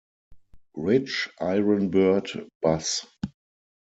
Rich Ironbird bass.